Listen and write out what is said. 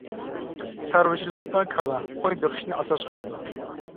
چارۋىچىلىقتا كالا، قوي بېقىشنى ئاساس قىلىدۇ.